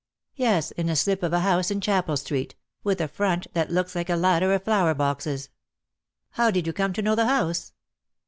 "Yes, in a slip of a house in Chapel Street — with a front that looks like a ladder of flower boxes." "How did you come to know the house?"